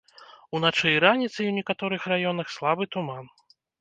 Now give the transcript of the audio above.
Уначы і раніцай у некаторых раёнах слабы туман.